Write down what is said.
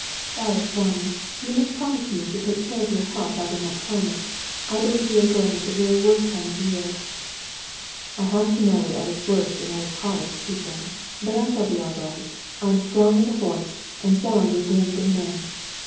Oh, Ronnie, you must promise me to take care of your health out in that climate! I believe you are going at the very worst time of year." "I have to know it at its worst and at its hottest," he said. "But I shall be all right. I'm strong as a horse, and sound in wind and limb."